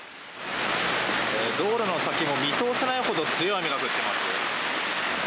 道路の先も見通せないほど強い雨が降っています。